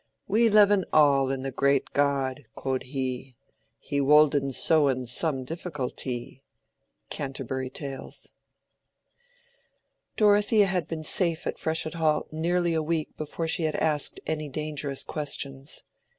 We leven all in the gret God,' quod he. He wolden sowen some diffcultee."—Canterbury Tales. Dorothea had been safe at Freshitt Hall nearly a week before she had asked any dangerous questions.